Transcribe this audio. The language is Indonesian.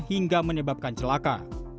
hingga menyebabkan celaka